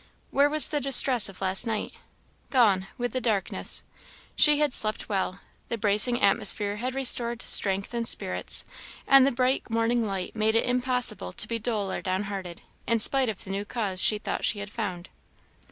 Where was the distress of last night? Gone with the darkness. She had slept well; the bracing atmosphere had restored strength and spirits; and the bright morning light made it impossible to be dull or downhearted, in spite of the new cause she thought she had found.